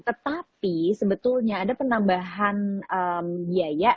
tetapi sebetulnya ada penambahan biaya